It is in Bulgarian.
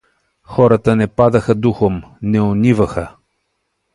Хората не падаха духом, не униваха.